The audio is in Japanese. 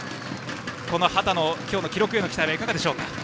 秦の今日の記録への期待はいかがですか。